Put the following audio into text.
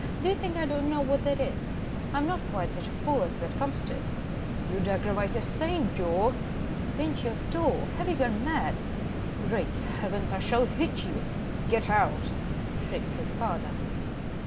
Do you think I don't know what that is? I'm not quite such a fool as that comes to." "You'd aggravate a saint, Joe." "Paint your toe! Have you gone mad?" "Great heavens! I shall hit you; get out," shrieked his father.